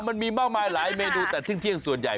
มันมีมากมายหลายเมนูแต่เที่ยงส่วนใหญ่